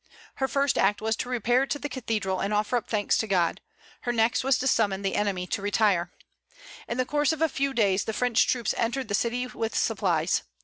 Her first act was to repair to the cathedral and offer up thanks to God; her next was to summon the enemy to retire. In the course of a few days the French troops entered the city with supplies.